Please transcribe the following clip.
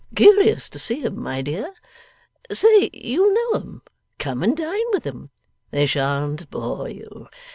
Curious to see 'em, my dear? Say you'll know 'em. Come and dine with 'em. They shan't bore you.